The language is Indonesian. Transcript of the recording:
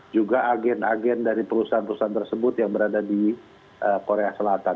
juga agen agen dari perusahaan perusahaan tersebut yang berada di korea selatan